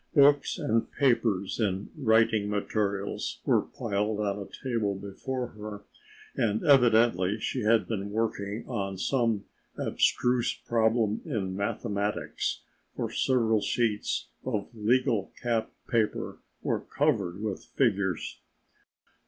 Books and papers and writing materials were piled on a table before her and evidently she had been working on some abstruse problem in mathematics, for several sheets of legal cap paper were covered with figures.